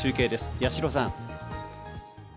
矢代さん。